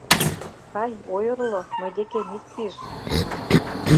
— Кай, ойырло, мый декем ит пиж, манам.